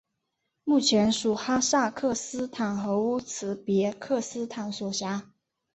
目前属哈萨克斯坦和乌兹别克斯坦所辖。